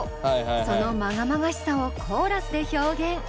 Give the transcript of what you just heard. そのまがまがしさをコーラスで表現。